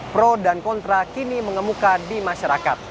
pro dan kontra kini mengemuka di masyarakat